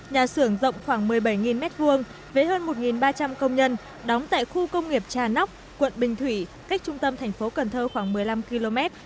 nhà xưởng rộng khoảng một mươi bảy m hai với hơn một ba trăm linh công nhân đóng tại khu công nghiệp trà nóc quận bình thủy cách trung tâm thành phố cần thơ khoảng một mươi năm km